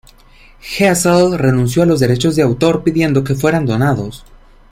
Hessel renunció a los derechos de autor, pidiendo que fueran donados.